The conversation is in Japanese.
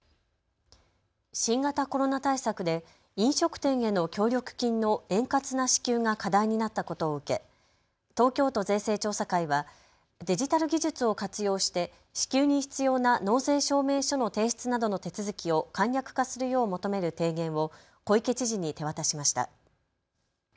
新型コロナ対策で飲食店への協力金の円滑な支給が課題になったことを受け東京都税制調査会はデジタル技術を活用して支給に必要な納税証明書の提出などの手続きを簡略化するよう求める提言を小池知事に手渡しました。